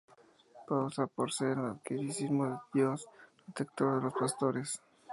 Pasa por ser un antiquísimo dios protector de los pastores.